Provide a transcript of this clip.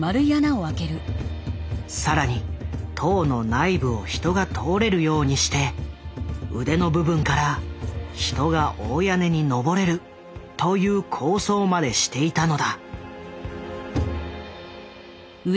更に塔の内部を人が通れるようにして腕の部分から人が大屋根に登れるという構想までしていたのだ。